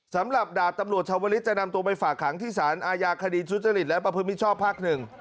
สำหรับดาบตำรวจชาวลิศจะนำตัวไปฝากขังที่สารอาญาคดีทุจริตและประพฤติมิชชอบภาคหนึ่ง